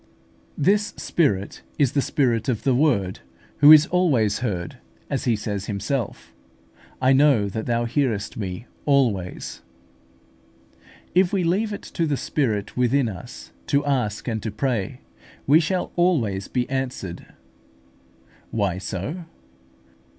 This Spirit is the Spirit of the Word, who is always heard, as He says Himself: "I know that Thou hearest me always" (John xi. 42). If we leave it to the Spirit within us to ask and to pray, we shall always be answered. Why so?